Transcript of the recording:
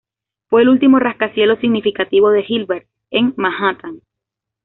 Fue el último rascacielos significativo de Gilbert, en Manhattan.